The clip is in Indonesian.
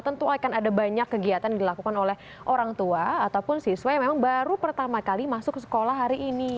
tentu akan ada banyak kegiatan yang dilakukan oleh orang tua ataupun siswa yang memang baru pertama kali masuk ke sekolah hari ini